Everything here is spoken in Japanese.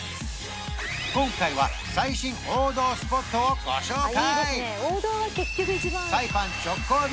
今回は最新王道スポットをご紹介！